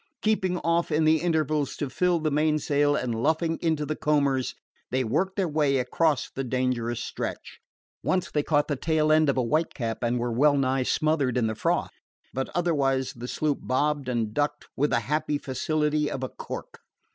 Keeping off in the intervals to fill the mainsail, and luffing into the combers, they worked their way across the dangerous stretch. Once they caught the tail end of a whitecap and were well nigh smothered in the froth, but otherwise the sloop bobbed and ducked with the happy facility of a cork.